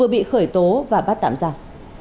bị khởi tố và bắt tạm giam